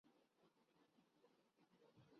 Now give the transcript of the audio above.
بات ترجیحات کی ہے۔